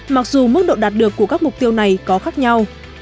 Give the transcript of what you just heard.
mặc dù mức độ đạt được của các mục tiêu này có khác nhau